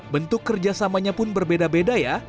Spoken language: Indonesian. bentuk kerjasamanya pun berbeda beda ya